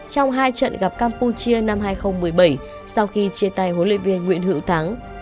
trong hai trận gặp campuchia năm hai nghìn một mươi bảy sau khi chia tay huấn luyện viên nguyễn hữu thắng